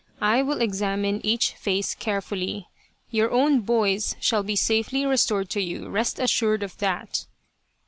I will examine each face carefully. Your own boys shall be safely restored to you, rest assured of that